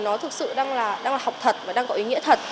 nó thực sự đang là học thật và đang có ý nghĩa thật